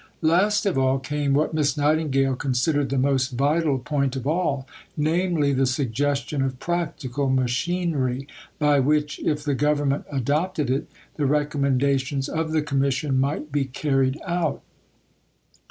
Last of all came what Miss Nightingale considered the most vital point of all namely, the suggestion of practical machinery by which, if the Government adopted it, the recommendations of the Commission might be carried out.